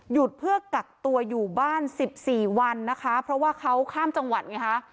เพื่อกักตัวอยู่บ้านสิบสี่วันนะคะเพราะว่าเขาข้ามจังหวัดไงคะ